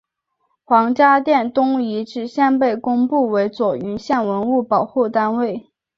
黄家店东遗址现被公布为左云县文物保护单位。